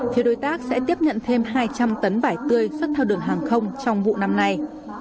phía đối tác sẽ tiếp nhận thêm hai trăm linh tấn vải tươi xuất theo đường hàng không trong vụ năm nay